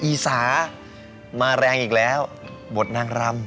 อีสานมาแรงอีกแล้วบทนางรำ